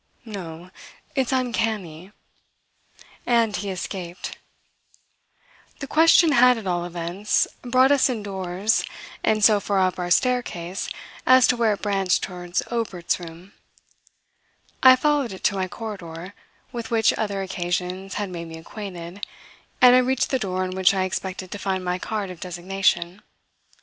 "No. It's uncanny." And he escaped. The question had at all events brought us indoors and so far up our staircase as to where it branched towards Obert's room. I followed it to my corridor, with which other occasions had made me acquainted, and I reached the door on which I expected to find my card of designation.